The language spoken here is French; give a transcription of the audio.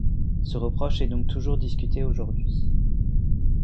Ce reproche est donc toujours discuté aujourd'hui.